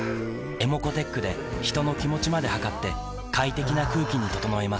ｅｍｏｃｏーｔｅｃｈで人の気持ちまで測って快適な空気に整えます